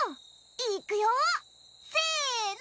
いくよせの！